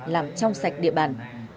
làm trong sạch địa bàn